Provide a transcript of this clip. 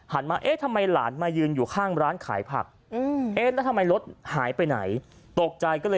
หันมาเอ๊ะทำไมหลานมายืนอยู่ข้างร้านขายผัก